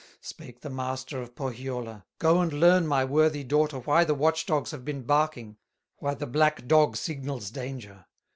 Spake the master of Pohyola: "Go and learn, my worthy daughter, Why the watch dogs have been barking, Why the black dog signals danger."